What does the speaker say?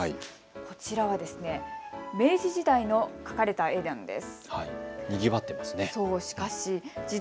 こちらは明治時代に描かれた絵なんです。